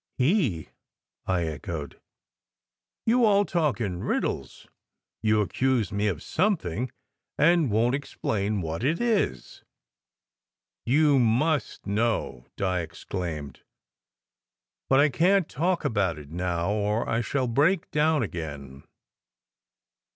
"He?" I echoed. "You all talk in riddles. You ac cuse me of something, and won t explain what it is." "You must know!" Di exclaimed. "But I can t talk about it now, or I shall break down again.